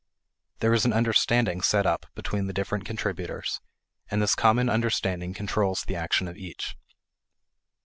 There is an understanding set up between the different contributors; and this common understanding controls the action of each.